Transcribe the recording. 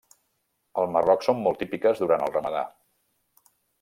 Al Marroc són molt típiques durant el ramadà.